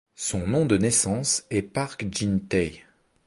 Son nom de naissance est Park Jin-tae.